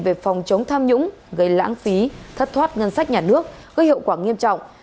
về phòng chống tham nhũng gây lãng phí thất thoát ngân sách nhà nước gây hậu quả nghiêm trọng